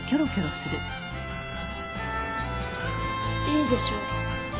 いいでしょう。